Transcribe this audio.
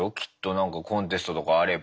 何かコンテストとかあれば。